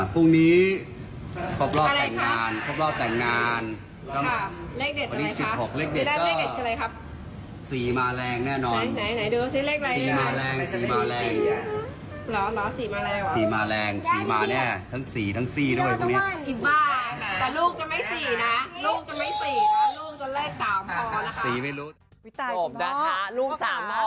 ไฟาวะะลูก๓พอ